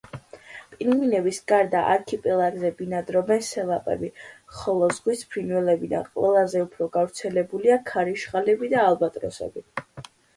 პინგვინების გარდა არქიპელაგზე ბინადრობენ სელაპები, ხოლო ზღვის ფრინველებიდან ყველაზე უფრო გავრცელებულია ქარიშხალები და ალბატროსები.